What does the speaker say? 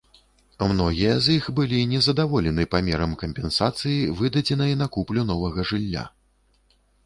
Многія з іх былі незадаволены памерам кампенсацыі, выдадзенай на куплю новага жылля.